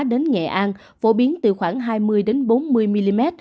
đến nghệ an phổ biến từ khoảng hai mươi bốn mươi mm